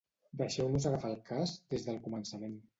Deixeu-nos agafar el cas des del començament.